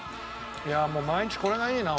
いやもう毎日これがいいな俺。